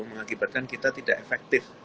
mengakibatkan kita tidak efektif